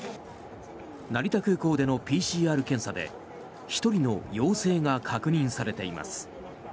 成田空港でのＰＣＲ検査で１人の陽性が確認されています。